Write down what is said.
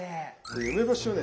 梅干しをね